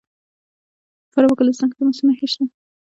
د فراه په ګلستان کې د مسو نښې شته.